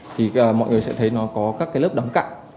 thì mọi người sẽ thấy nó có các cái lớp đóng cặn